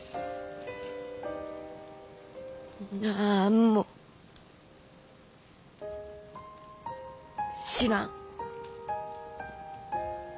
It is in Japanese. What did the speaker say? なんも知らん。